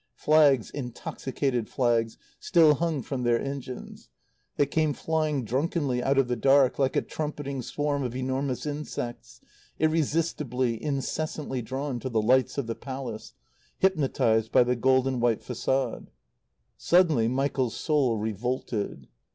Flags, intoxicated flags, still hung from their engines. They came flying drunkenly out of the dark, like a trumpeting swarm of enormous insects, irresistibly, incessantly drawn to the lights of the Palace, hypnotized by the golden white façade. Suddenly, Michael's soul revolted.